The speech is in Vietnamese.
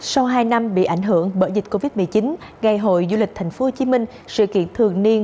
sau hai năm bị ảnh hưởng bởi dịch covid một mươi chín ngày hội du lịch tp hcm sự kiện thường niên